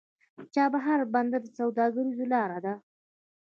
د چابهار بندر سوداګریزه لاره ده